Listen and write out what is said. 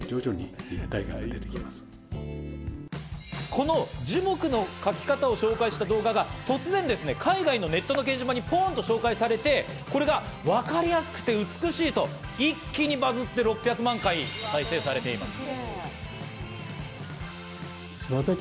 この樹木の描き方を紹介した動画が突然海外のネットの掲示板に、ポンっと紹介されてこれがわかりやすくて美しいと、一気にバズって６００万回再生されています。